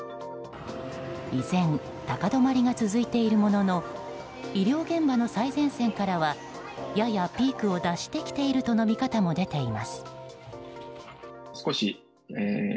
依然高止まりが続いているものの医療現場の最前線からはややピークを脱してきているとの見方も出ています。